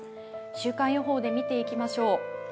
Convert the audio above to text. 週間予報で見ていきましょう。